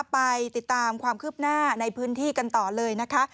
ไปติดตามความคืบหน้าในพื้นที่กันต่อเลยนะคะ